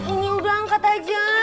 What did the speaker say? ini udah angkat aja